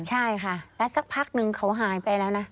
ใช่ค่ะแล้วสักพักนึงเขาหายไปแล้วนะ